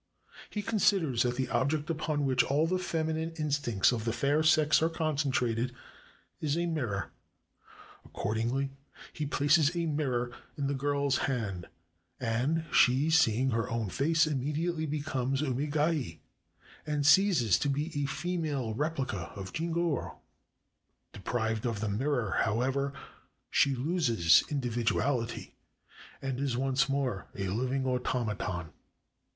He considers that the object upon which all the feminine instincts of the fair sex are concentrated is a mirror. Accordingly he places a mirror in the girl's hand, and she, seeing her own face, immediately becomes Umegaye, and ceases to be a female replica of Jingoro. Deprived of the mirror, however, she loses individuality, and is once more a living automaton.